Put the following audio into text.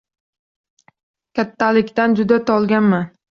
Kattalikdan juda tolganman